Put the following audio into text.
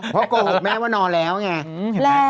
เพราะโกหกแม่ว่านอนแล้วไง